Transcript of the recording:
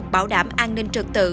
bảo đảm an ninh trực tự